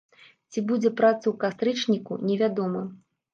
Ці будзе праца ў кастрычніку, невядома.